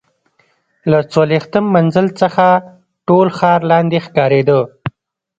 له څلوېښتم منزل څخه ټول ښار لاندې ښکارېده.